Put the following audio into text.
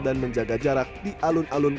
dan menjaga jarak di alun alun kota